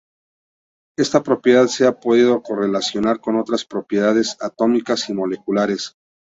Esta propiedad se ha podido correlacionar con otras propiedades atómicas y moleculares.